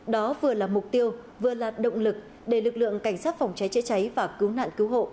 đó vừa là mục tiêu vừa là động lực để lực lượng cảnh sát phòng cháy chữa cháy và cứu nạn cứu hộ